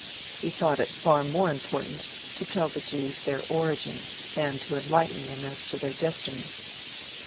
He thought it far more important to tell the Jews their origin than to enlighten them as to their destiny.